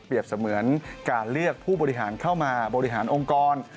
เสมือนการเลือกผู้บริหารเข้ามาบริหารองค์กร